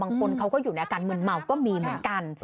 บางคนเขาก็อยู่ในอาการมืนเมาก็มีเหมือนกัน